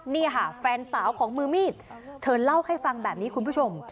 นี่ค่ะแฟนสาวของมือมีดเธอเล่าให้ฟังแบบนี้คุณผู้ชม